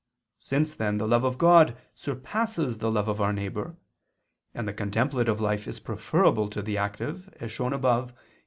Since then the love of God surpasses the love of our neighbor, and the contemplative life is preferable to the active, as shown above (Q.